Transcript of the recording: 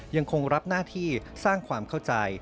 ยังคงรับหน้าที่สร้างความเข้าใจ